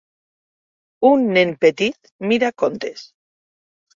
Un nen petit mira contes.